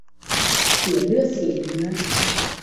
เสียเลือดเสียเนื้อ